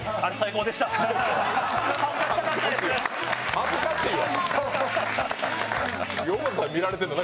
恥ずかしいわ。